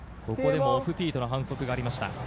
ここでもオフフィートの反則がありました。